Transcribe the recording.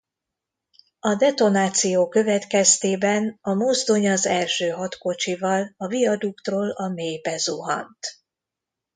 A detonáció következtében a mozdony az első hat kocsival a viaduktról a mélybe zuhant.